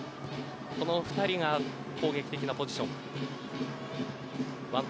この２人が攻撃的なポジション。